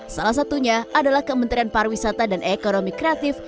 salah satunya adalah kementerian pariwisata dan ekonomi kreatif